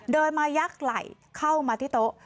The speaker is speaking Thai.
เดินมายักษ์ไหล่เข้ามาที่โต๊ะ